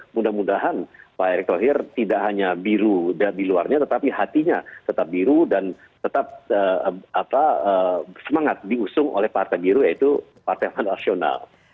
mudah mudahan pak erick thohir tidak hanya biru di luarnya tetapi hatinya tetap biru dan tetap semangat diusung oleh partai biru yaitu partai amanat nasional